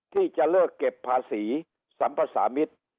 ที่จะเลิกเก็บภาษีสัมภาษามิตร